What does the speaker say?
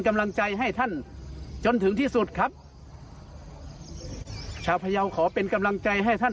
กำลังใจให้ท่านจนถึงที่สุดครับชาวพยาวขอเป็นกำลังใจให้ท่าน